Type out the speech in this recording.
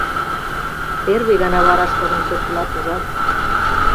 Первый гана вараш кодын пӧртылат, ужат?